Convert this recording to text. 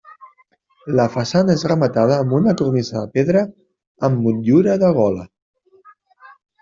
La façana és rematada amb una cornisa de pedra amb motllura de gola.